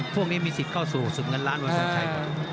พวกนี้มีสิทธิ์เข้าสู่สุดงันล้านวันเท่าไหร่